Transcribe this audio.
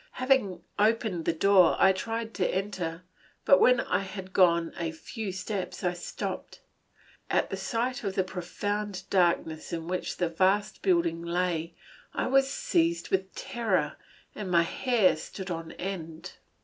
Having opened the door I tried to enter, but when I had gone a few steps I stopped. At the sight of the profound darkness in which the vast building lay I was seized with terror and my hair stood on end.